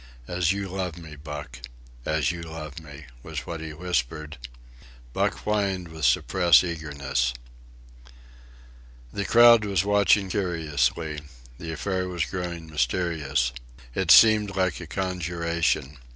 "As you love me, Buck. As you love me," was what he whispered. Buck whined with suppressed eagerness. The crowd was watching curiously. The affair was growing mysterious. It seemed like a conjuration.